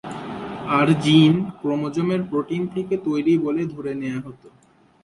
আর gene, ক্রোমোজোমের protein থেকে তৈরি বলে ধরে নেয়া হত।